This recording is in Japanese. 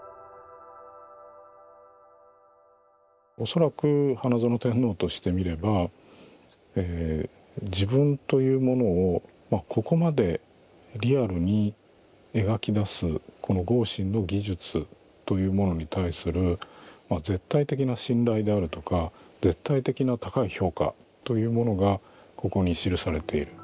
恐らく花園天皇としてみれば自分というものをここまでリアルに描き出すこの豪信の技術というものに対する絶対的な信頼であるとか絶対的な高い評価というものがここに記されている。